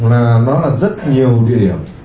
là nó là rất nhiều địa điểm